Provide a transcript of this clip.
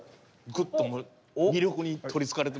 グッと魅力に取りつかれて。